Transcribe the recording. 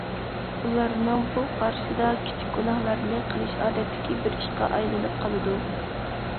ئۇلارنىڭ بۇ قارىشىدا كىچىك گۇناھلارنى قىلىش ئادەتتىكى بىر ئىشقا ئايلىنىپ قالىدۇ.